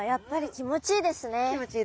気持ちいいですよね。